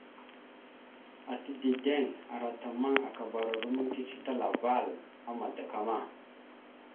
Ata dideŋ ara ata ammaŋ akabara rommaŋ cici talaval a madakama.